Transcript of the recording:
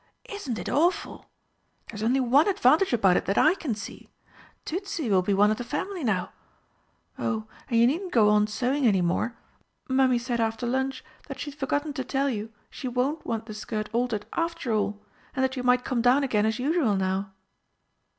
Isn't it awful? There's only one advantage about it that I can see Tützi will be one of the family now.... Oh, and you needn't go on sewing any more. Mummy said after lunch that she'd forgotten to tell you she won't want the skirt altered after all, and that you might come down again as usual now."